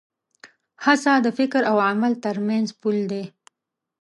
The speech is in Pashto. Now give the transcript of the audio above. هڅه د فکر او عمل تر منځ پُل دی.